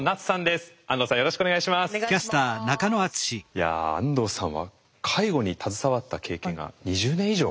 いや安藤さんは介護に携わった経験が２０年以上。